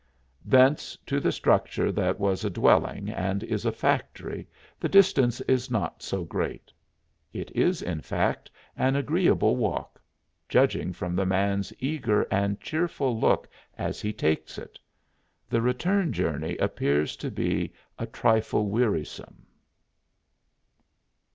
Thence to the structure that was a dwelling and is a factory the distance is not so great; it is, in fact, an agreeable walk, judging from the man's eager and cheerful look as he takes it. The return journey appears to be a trifle wearisome.